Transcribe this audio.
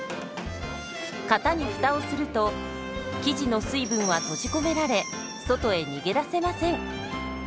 型にフタをすると生地の水分は閉じ込められ外へ逃げ出せません。